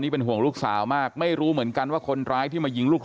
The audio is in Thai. เป็นห่วงลูกสาวมากไม่รู้เหมือนกันว่าคนร้ายที่มายิงลูกสาว